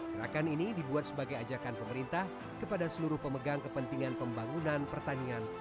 gerakan ini dibuat sebagai ajakan pemerintah kepada seluruh pemegang kepentingan pembangunan pertanian